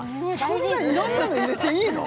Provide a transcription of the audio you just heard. そんないろんなの入れていいの？